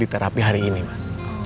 di terapi hari ini mak